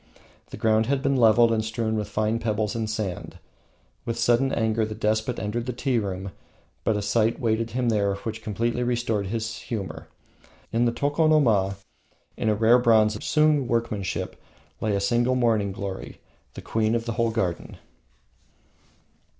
The ground had been leveled and strewn with fine pebbles and sand. With sullen anger the despot entered the tea room, but a sight waited him there which completely restored his humour. On the tokonoma, in a rare bronze of Sung workmanship, lay a single morning glory the queen of the whole garden!